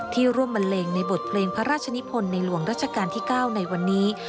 ร่วมบันเลงในบทเพลงพระราชนิพลในหลวงรัชกาลที่๙ในวันนี้